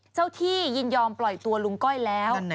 เจ้าที่ยินยอมปล่อยตัวลุงก้อยแล้ว